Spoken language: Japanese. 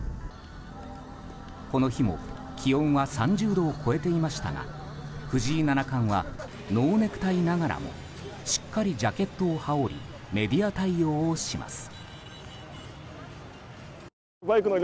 この日も気温は３０度を超えていましたが藤井七冠はノーネクタイながらもしっかりジャケットを羽織りメディア対応をします。